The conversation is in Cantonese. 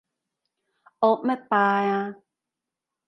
惡乜霸啊？